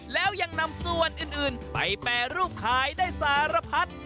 แล้วยังนำส่วนอื่นไปแปรรูปขายได้สารพัด